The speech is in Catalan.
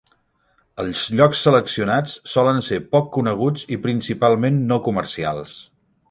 Els llocs seleccionats solen ser poc coneguts i principalment no comercials.